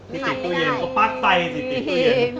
ที่ติดตู้เย็นก็ปั๊กใต้สิติดตู้เย็นมีอะไรไหม